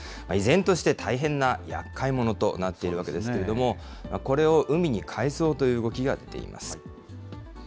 依然として大変なやっかいものとなっているわけですけれども、これを海に帰そうという動きが出ています。